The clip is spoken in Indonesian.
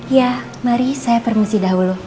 ya mari saya permisi dahulu